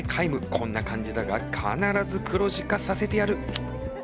こんな感じだが必ず黒字化させてやる」。